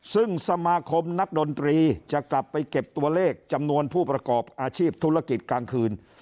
ซึ่งสมาคมนักดนตรีจะกลับไปเก็บตัวเลขจำนวนผู้ประกอบอาชีพธุรกิจกลางคืน